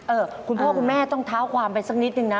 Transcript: คุณพ่อคุณแม่ต้องเท้าความไปสักนิดนึงนะ